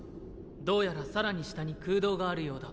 どうやら更に下に空洞があるようだ。